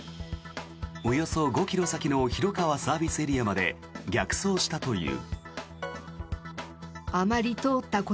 およそ５ｋｍ先の広川ＳＡまで逆走したという。